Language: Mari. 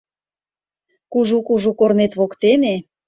Кужу-кужу корнет воктене